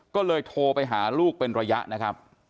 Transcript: ก็เลยโทรไปหาลูกเป็นระยะนะครับ